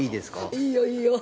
いいよいいよ。